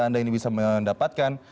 anda bisa mendapatkan